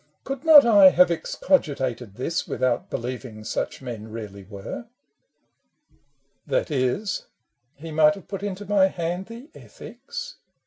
Could not I have excogitated this Without believing such men really were ? K I30 A SO LAN DO: That is — he might have put into my hand The " Ethics